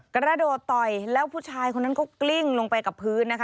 กระโดดต่อยแล้วผู้ชายคนนั้นก็กลิ้งลงไปกับพื้นนะคะ